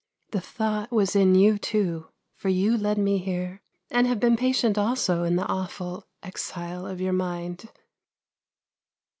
The thought was in you, too, for you led me here, and have been patient also in the awful exile of your mind."